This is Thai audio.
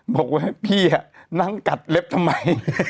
บอกว่าพี่นั่งกัดเล็บทำไม